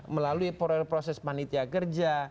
melalui proses panitia kerja